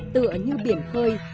tựa như biển khơi